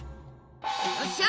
よっしゃ！